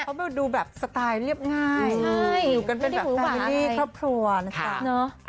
เขาดูแบบสไตล์เรียบง่ายอยู่กันเป็นพี่บูลลี่ครอบครัวนะจ๊ะ